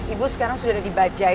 ibu sekarang sudah ada di bajai